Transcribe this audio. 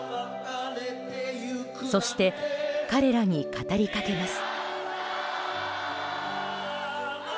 そして、彼らに語りかけます。